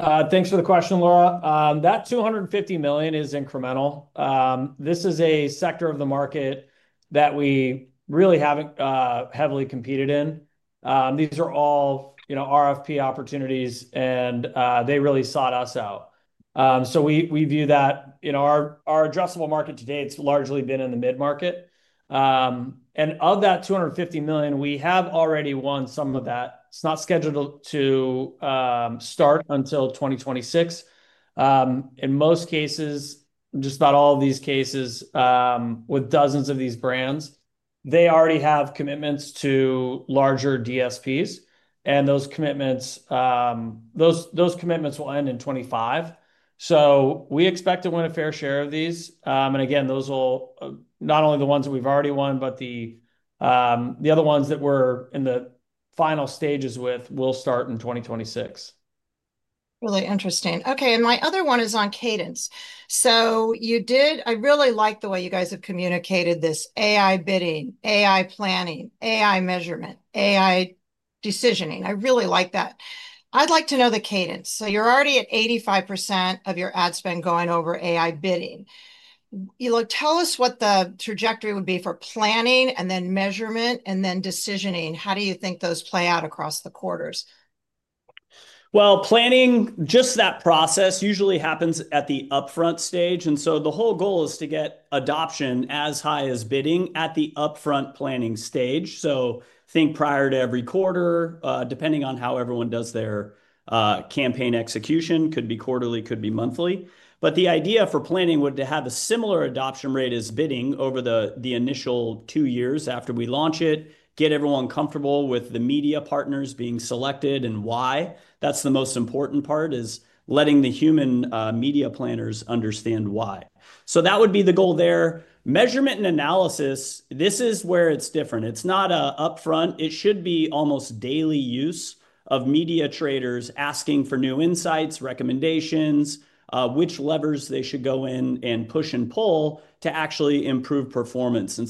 Thanks for the question, Laura. That $250 million is incremental. This is a sector of the market that we really haven't heavily competed in. These are all RFP opportunities, and they really sought us out. We view that our addressable market today, it's largely been in the mid-market. Of that $250 million, we have already won some of that. It's not scheduled to start until 2026. In most cases, just about all of these cases with dozens of these brands, they already have commitments to larger DSPs, and those commitments will end in 2025. We expect to win a fair share of these. Those will not only be the ones that we've already won, but the other ones that we're in the final stages with will start in 2026. Really interesting. Okay. My other one is on cadence. You did, I really like the way you guys have communicated this AI Bidding, AI Planning, AI Measurement and Analysis, AI Decisioning. I really like that. I'd like to know the cadence. You're already at 85% of your ad spend going over AI Bidding. You look, tell us what the trajectory would be for Planning and then Measurement and then Decisioning. How do you think those play out across the quarters? Planning, just that process usually happens at the upfront stage. The whole goal is to get adoption as high as bidding at the upfront planning stage. Think prior to every quarter, depending on how everyone does their campaign execution, could be quarterly, could be monthly. The idea for planning would be to have a similar adoption rate as bidding over the initial two years after we launch it, get everyone comfortable with the media partners being selected and why. That's the most important part, is letting the human media planners understand why. That would be the goal there. Measurement and analysis, this is where it's different. It's not an upfront, it should be almost daily use of media traders asking for new insights, recommendations, which levers they should go in and push and pull to actually improve performance.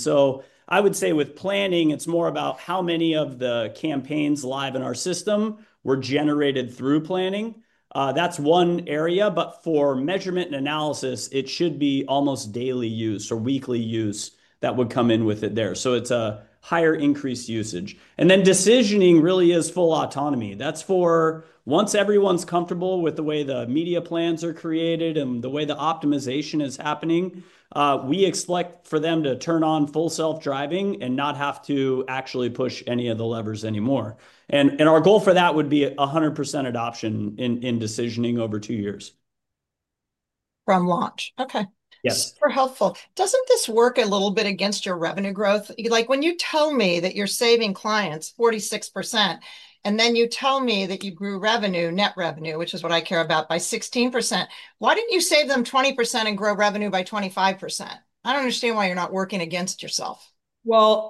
I would say with planning, it's more about how many of the campaigns live in our system were generated through planning. That's one area, but for measurement and analysis, it should be almost daily use or weekly use that would come in with it there. It's a higher increased usage. Decisioning really is full autonomy. That's for once everyone's comfortable with the way the media plans are created and the way the optimization is happening, we expect for them to turn on full self-driving and not have to actually push any of the levers anymore. Our goal for that would be 100% adoption in decisioning over two years. From launch, okay. Yep. Super helpful. Doesn't this work a little bit against your revenue growth? Like when you tell me that you're saving clients 46% and then you tell me that you grew net revenue, which is what I care about, by 16%, why didn't you save them 20% and grow revenue by 25%? I don't understand why you're not working against yourself.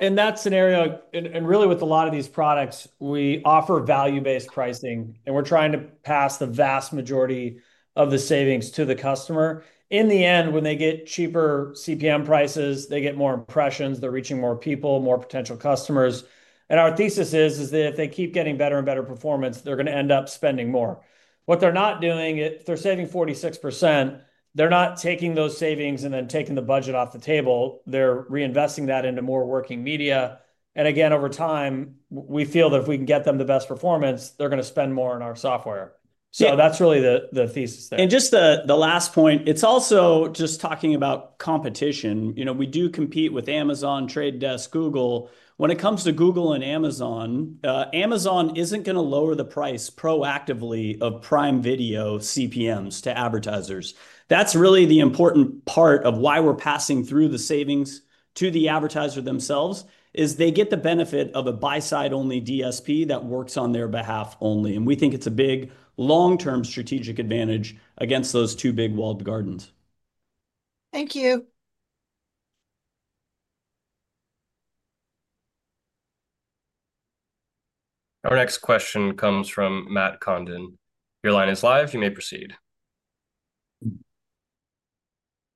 In that scenario, and really with a lot of these products, we offer value-based pricing and we're trying to pass the vast majority of the savings to the customer. In the end, when they get cheaper CPM prices, they get more impressions, they're reaching more people, more potential customers. Our thesis is that if they keep getting better and better performance, they're going to end up spending more. What they're not doing is they're saving 46%, they're not taking those savings and then taking the budget off the table, they're reinvesting that into more working media. Over time, we feel that if we can get them the best performance, they're going to spend more on our software. That's really the thesis. Just the last point, it's also just talking about competition. You know, we do compete with Amazon, The Trade Desk, Google. When it comes to Google and Amazon, Amazon isn't going to lower the price proactively of Prime Video CPMs to advertisers. That's really the important part of why we're passing through the savings to the advertiser themselves, is they get the benefit of a buy-side-only DSP that works on their behalf only. We think it's a big long-term strategic advantage against those two big walled gardens. Thank you. Our next question comes from Matthew Condon. Your line is live. You may proceed.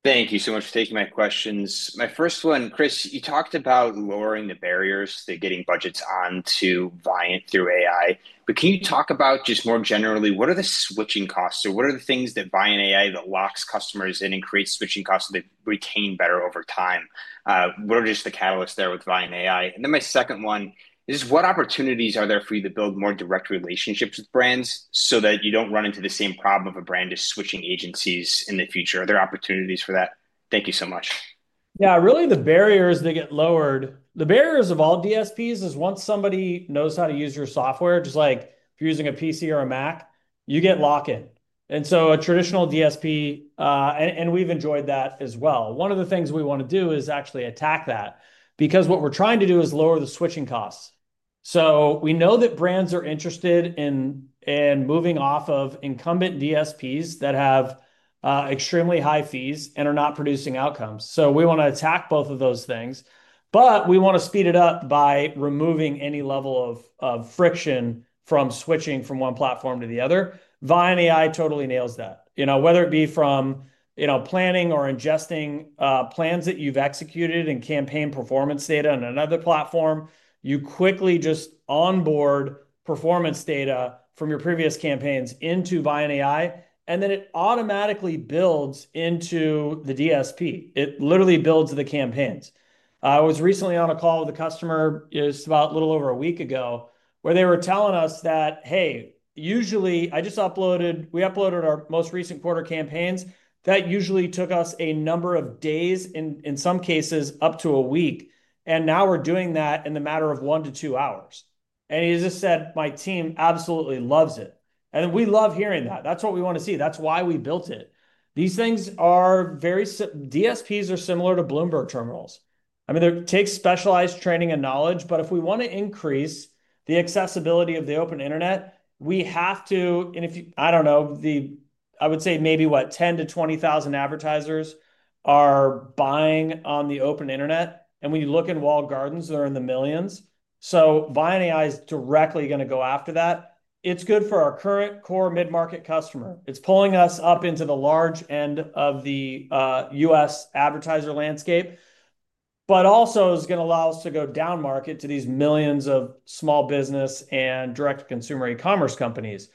Thank you so much for taking my questions. My first one, Chris, you talked about lowering the barriers to getting budgets onto Viant through AI. Can you talk about just more generally, what are the switching costs or what are the things with ViantAI that lock customers in and create switching costs that retain better over time? What are just the catalysts there with ViantAI? My second one is what opportunities are there for you to build more direct relationships with brands so that you don't run into the same problem of a brand just switching agencies in the future? Are there opportunities for that? Thank you so much. Yeah, really the barriers that get lowered, the barriers of all DSPs, is once somebody knows how to use your software, just like if you're using a PC or a Mac, you get lock-in. A traditional DSP, and we've enjoyed that as well. One of the things we want to do is actually attack that because what we're trying to do is lower the switching costs. We know that brands are interested in moving off of incumbent DSPs that have extremely high fees and are not producing outcomes. We want to attack both of those things, but we want to speed it up by removing any level of friction from switching from one platform to the other. ViantAI totally nails that. Whether it be from planning or ingesting plans that you've executed and campaign performance data in another platform, you quickly just onboard performance data from your previous campaigns into ViantAI, and then it automatically builds into the DSP. It literally builds the campaigns. I was recently on a call with a customer, it was about a little over a week ago, where they were telling us that, "Hey, usually I just uploaded, we uploaded our most recent quarter campaigns. That usually took us a number of days, in some cases up to a week, and now we're doing that in the matter of one to two hours." He just said, "My team absolutely loves it." We love hearing that. That's what we want to see. That's why we built it. These things are very, DSPs are similar to Bloomberg terminals. It takes specialized training and knowledge, but if we want to increase the accessibility of the open internet, we have to, and if you, I don't know, I would say maybe what, 10,000 to 20,000 advertisers are buying on the open internet. When you look in walled gardens, they're in the millions. ViantAI is directly going to go after that. It's good for our current core mid-market customer. It's pulling us up into the large end of the US advertiser landscape, but also is going to allow us to go down market to these millions of small business and direct-to-consumer e-commerce companies.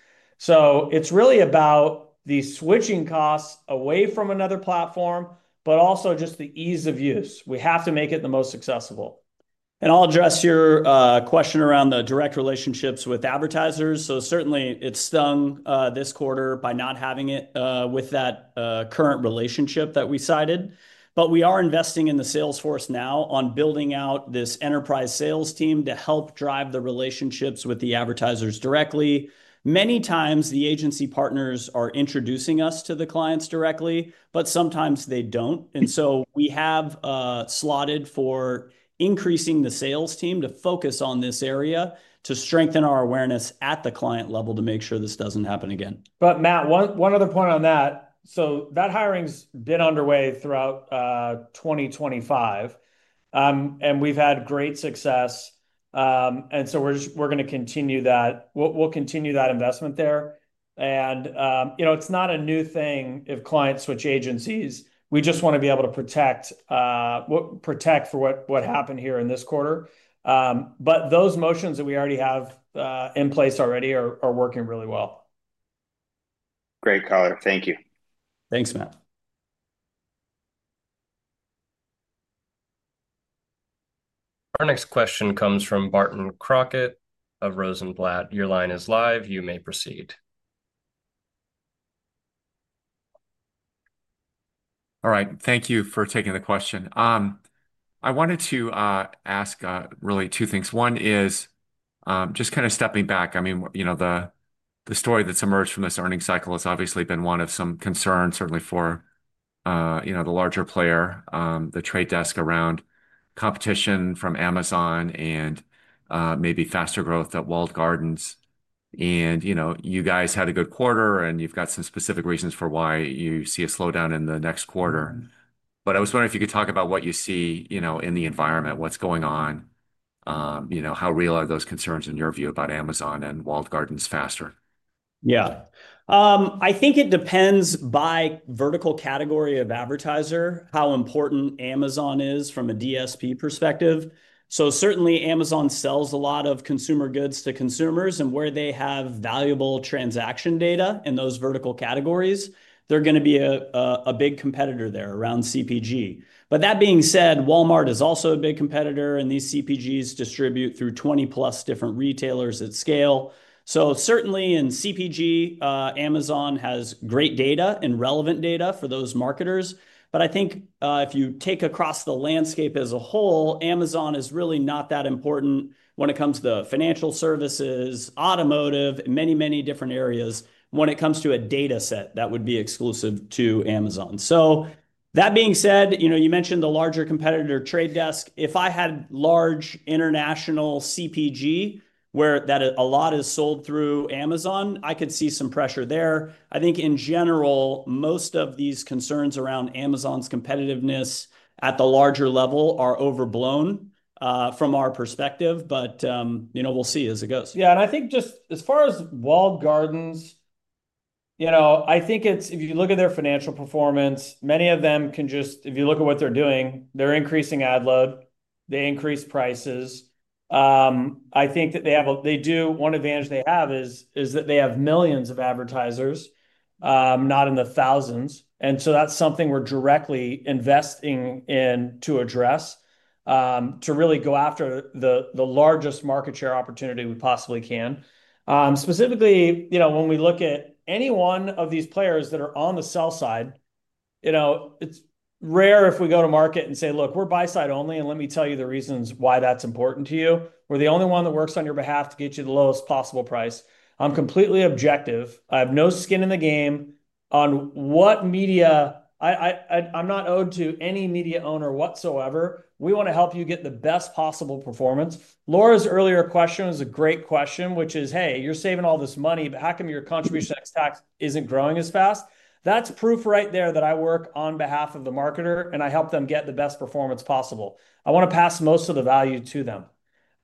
It's really about the switching costs away from another platform, but also just the ease of use. We have to make it the most accessible. I'll address your question around the direct relationships with advertisers. It certainly stung this quarter by not having it with that current relationship that we cited. We are investing in the sales force now on building out this enterprise sales team to help drive the relationships with the advertisers directly. Many times the agency partners are introducing us to the clients directly, but sometimes they don't. We have slotted for increasing the sales team to focus on this area to strengthen our awareness at the client level to make sure this doesn't happen again. Matt, one other point on that. That hiring's been underway throughout 2025, and we've had great success. We're going to continue that. We'll continue that investment there. You know, it's not a new thing if clients switch agencies. We just want to be able to protect for what happened here in this quarter. Those motions that we already have in place already are working really well. Great color, thank you. Thanks, Matt. Our next question comes from Barton Crockett of Rosenblatt. Your line is live. You may proceed. All right. Thank you for taking the question. I wanted to ask really two things. One is just kind of stepping back. I mean, you know, the story that's emerged from this earnings cycle has obviously been one of some concerns, certainly for, you know, the larger player, The Trade Desk, around competition from Amazon and maybe faster growth at walled gardens. You know, you guys had a good quarter and you've got some specific reasons for why you see a slowdown in the next quarter. I was wondering if you could talk about what you see in the environment, what's going on, how real are those concerns in your view about Amazon and walled gardens faster? I think it depends by vertical category of advertiser, how important Amazon is from a DSP perspective. Certainly, Amazon sells a lot of consumer goods to consumers, and where they have valuable transaction data in those vertical categories, they're going to be a big competitor there around CPG. That being said, Walmart is also a big competitor, and these CPGs distribute through 20+ different retailers at scale. Certainly in CPG, Amazon has great data and relevant data for those marketers. I think if you take across the landscape as a whole, Amazon is really not that important when it comes to financial services, automotive, many different areas when it comes to a data set that would be exclusive to Amazon. That being said, you mentioned the larger competitor, The Trade Desk. If I had large international CPG where a lot is sold through Amazon, I could see some pressure there. I think in general, most of these concerns around Amazon's competitiveness at the larger level are overblown from our perspective, but we'll see as it goes. Yeah, and I think just as far as walled gardens, I think if you look at their financial performance, many of them can just, if you look at what they're doing, they're increasing ad load, they increase prices. I think that one advantage they have is that they have millions of advertisers, not in the thousands. That's something we're directly investing in to address, to really go after the largest market share opportunity we possibly can. Specifically, when we look at any one of these players that are on the sell side, it's rare if we go to market and say, "Look, we're buy-side-only, and let me tell you the reasons why that's important to you. We're the only one that works on your behalf to get you the lowest possible price." I'm completely objective. I have no skin in the game on what media, I'm not owed to any media owner whatsoever. We want to help you get the best possible performance. Laura's earlier question is a great question, which is, "Hey, you're saving all this money, but how come your contribution ex-tac isn't growing as fast?" That's proof right there that I work on behalf of the marketer and I help them get the best performance possible. I want to pass most of the value to them.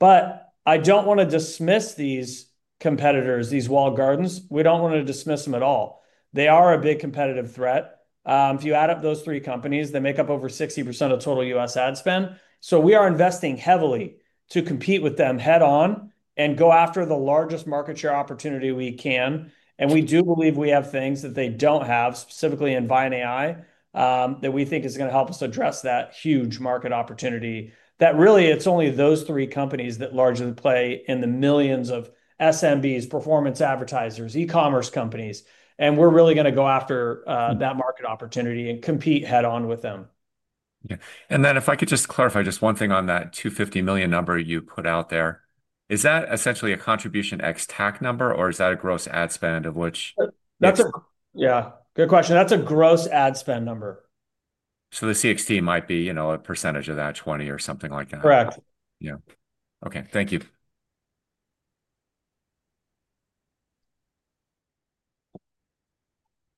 I don't want to dismiss these competitors, these walled gardens. We don't want to dismiss them at all. They are a big competitive threat. If you add up those three companies, they make up over 60% of total U.S. ad spend. We are investing heavily to compete with them head-on and go after the largest market share opportunity we can. We do believe we have things that they don't have, specifically in ViantAI, that we think is going to help us address that huge market opportunity. That really, it's only those three companies that largely play in the millions of SMBs, performance advertisers, e-commerce companies. We're really going to go after that market opportunity and compete head-on with them. Yeah, if I could just clarify one thing on that $250 million number you put out there, is that essentially a contribution ex-tac number or is that a gross ad spend of which? That's a good question. That's a gross ad spend number. The CFC might be, you know, a percentage of that 20 or something like that. Correct. Yeah, okay. Thank you.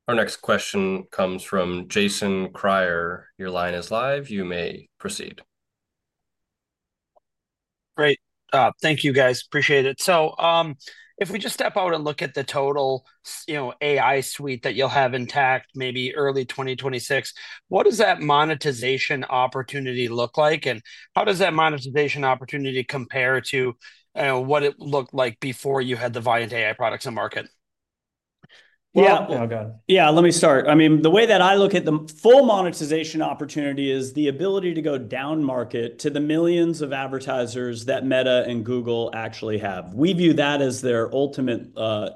Our next question comes from Jason Kreyer. Your line is live. You may proceed. Great. Thank you, guys. Appreciate it. If we just step out and look at the total, you know, AI suite that you'll have intact maybe early 2026, what does that monetization opportunity look like, and how does that monetization opportunity compare to what it looked like before you had the ViantAI products in the market? Let me start. I mean, the way that I look at the full monetization opportunity is the ability to go down market to the millions of advertisers that Meta and Google actually have. We view that as their ultimate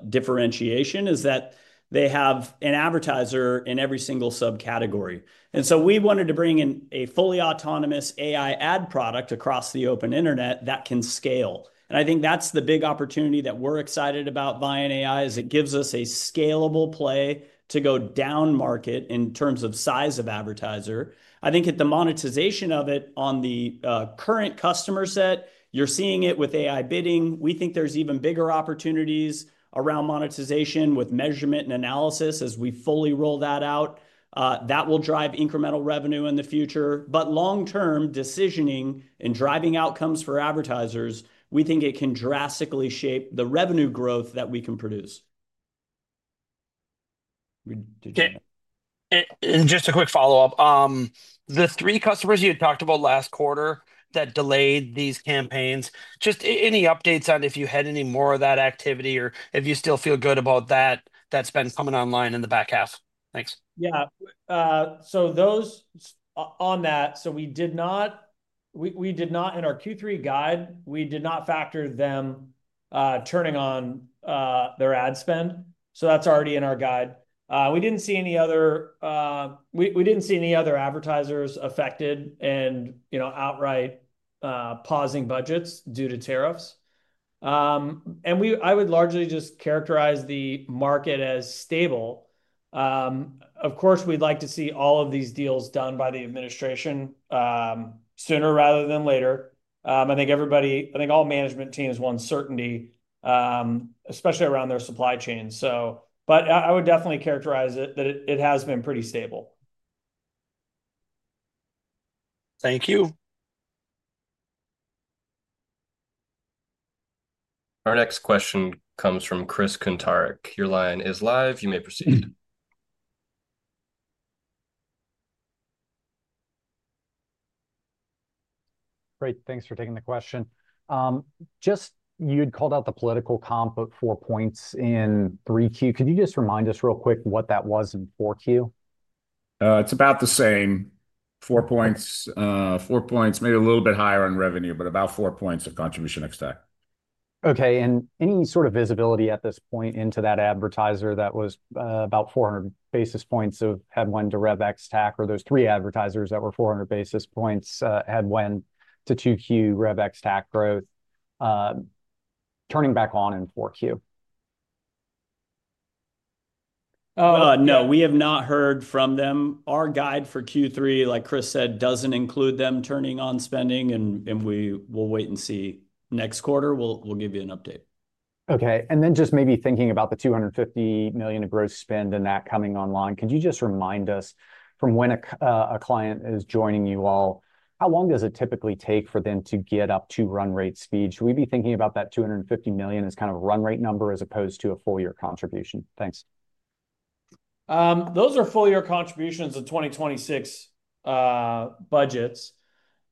differentiation is that they have an advertiser in every single subcategory. We wanted to bring in a fully autonomous AI ad product across the open internet that can scale. I think that's the big opportunity that we're excited about with ViantAI. It gives us a scalable play to go down market in terms of size of advertiser. I think at the monetization of it on the current customer set, you're seeing it with AI Bidding. We think there's even bigger opportunities around monetization with AI Measurement and Analysis as we fully roll that out. That will drive incremental revenue in the future. Long-term, decisioning and driving outcomes for advertisers, we think it can drastically shape the revenue growth that we can produce. Just a quick follow-up. The three customers you had talked about last quarter that delayed these campaigns, any updates on if you had any more of that activity or if you still feel good about that that's been coming online in the back half? Thanks. Yeah. On that, we did not in our Q3 guide, we did not factor them turning on their ad spend. That's already in our guide. We didn't see any other advertisers affected, and we didn't see any other advertisers outright pausing budgets due to tariffs. I would largely just characterize the market as stable. Of course, we'd like to see all of these deals done by the administration sooner rather than later. I think everybody, I think all management teams want certainty, especially around their supply chain. I would definitely characterize it that it has been pretty stable. Thank you. Our next question comes from Chris Kuntarich. Your line is live. You may proceed. Great. Thanks for taking the question. You had called out the political comp, but four points in 3Q. Could you just remind us real quick what that was in 4Q? It's about the same. Four points, four points, maybe a little bit higher on revenue, but about four points of contribution ex-TAC. Okay. Is there any sort of visibility at this point into that advertiser that was about 400 basis points of headwind to rev ex-TAC or those three advertisers that were 400 basis points headwind to 2Q rev ex-TAC growth turning back on in 4Q? No, we have not heard from them. Our guide for Q3, like Chris said, doesn't include them turning on spending, and we will wait and see next quarter. We'll give you an update. Okay. Just maybe thinking about the $250 million of gross spend and that coming online, could you just remind us from when a client is joining you all, how long does it typically take for them to get up to run rate speed? Should we be thinking about that $250 million as kind of a run rate number as opposed to a full-year contribution? Thanks. Those are full-year contributions of 2026 budgets.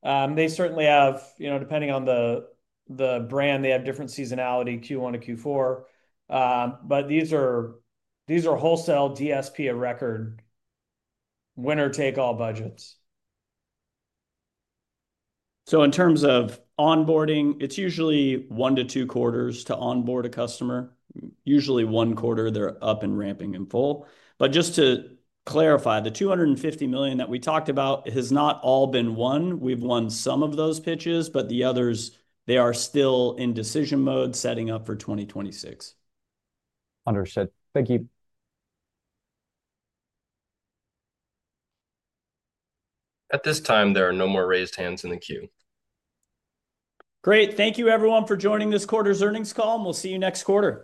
They certainly have, depending on the brand, different seasonality Q1-Q4. These are wholesale DSP of record winner-take-all budgets. In terms of onboarding, it's usually one to two quarters to onboard a customer. Usually one quarter, they're up and ramping in full. Just to clarify, the $250 million that we talked about has not all been won. We've won some of those pitches, the others are still in decision mode setting up for 2026. Understood. Thank you. At this time, there are no more raised hands in the queue. Great. Thank you everyone for joining this quarter's earnings call, and we'll see you next quarter.